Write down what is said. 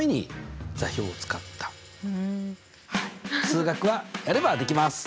数学はやればできます！